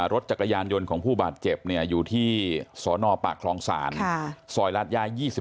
รถจักรยานยนต์ของผู้บาดเจ็บอยู่ที่สนปากคลองศาลซอยราชย่า๒๔